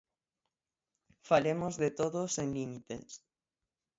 Falemos de todo sen límites.